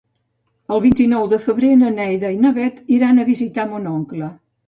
El vint-i-nou de febrer na Neida i na Bet iran a visitar mon oncle.